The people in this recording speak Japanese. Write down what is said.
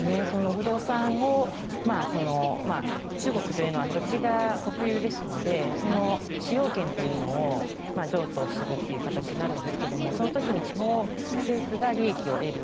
不動産を、中国というのは土地が国有ですのでその使用権というのを譲渡するという形になるんですがその時に地方政府が利益を得る。